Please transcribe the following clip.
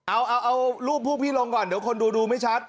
อ้าวเอาออกรูปพวกคุณลงก่อนเดี๋ยวคนดูไม่ชัด